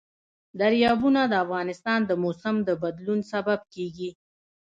دریابونه د افغانستان د موسم د بدلون سبب کېږي.